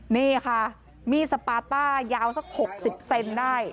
นี่ค่ะมีดสปาต้ายาวสัก๖๐เซนได้